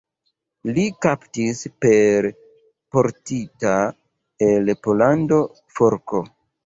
Li kaptis per portita el Pollando forko.